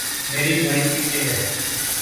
میری گھڑی پیچھے ہے